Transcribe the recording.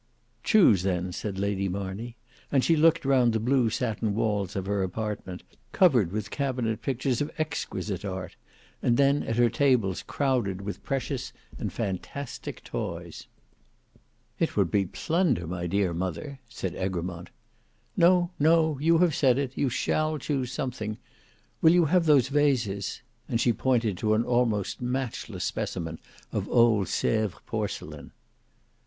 "Choose then," said Lady Marney, and she looked round the blue satin walls of her apartment, covered with cabinet pictures of exquisite art, and then at her tables crowded with precious and fantastic toys. "It would be plunder, my dear mother," said Egremont. "No, no; you have said it; you shall choose something. Will you have those vases?" and she pointed to an almost matchless specimen of old Sevres porcelain.